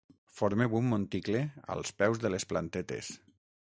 Formeu un monticle als peus de les plantetes.